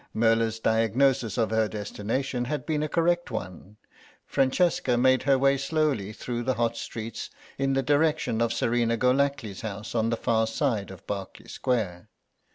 Merla's diagnosis of her destination had been a correct one; Francesca made her way slowly through the hot streets in the direction of Serena Golackly's house on the far side of Berkeley Square.